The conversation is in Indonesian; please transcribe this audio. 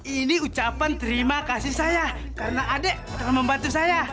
ini ucapan terima kasih saya karena adik membantu saya